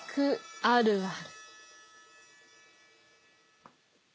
「あるある」